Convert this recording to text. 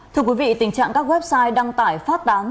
thưa quý vị tình trạng các website đăng tải phát tán